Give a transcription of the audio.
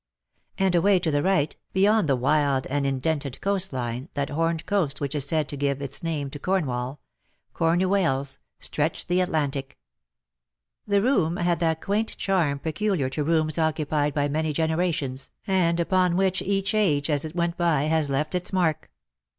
And away to the right, beyond the wild and indented coast line, that horned coast which is said to have given its name to Cornwall — Cornu Wales — stretched the Atlantic. The room had that quaint charm peculiar to rooms occupied by many generations, and upon which each age as it went by has left its mark.